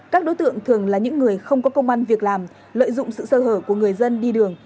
các đối tượng thường là những người không có công an việc làm lợi dụng sự sơ hở của người dân đi đường